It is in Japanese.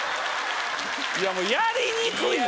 いやもうやりにくいわ！